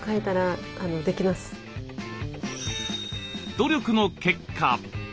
努力の結果。